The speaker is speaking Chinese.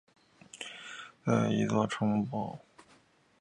约克城是位于英国英格兰约克的一座城堡。